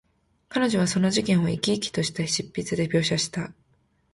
彼女はその事件を、生き生きとした筆致で描写した。